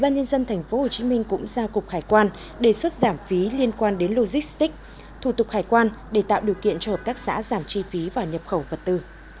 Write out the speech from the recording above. nhân quan đến logistics thủ tục hải quan để tạo điều kiện cho hợp tác xã giảm chi phí và nhập khẩu vật tư